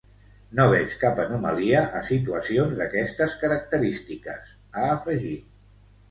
“No veig cap anomalia a situacions d’aquestes característiques”, ha afegit.